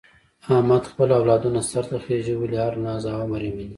احمد خپل اولادونه سرته خېژولي، هر ناز او امر یې مني.